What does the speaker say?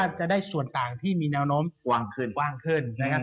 ก็จะได้ส่วนต่างที่มีแนวโน้มว่างขึ้น